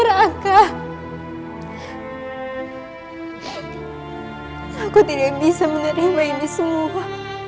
aku tidak bisa menerima ini semua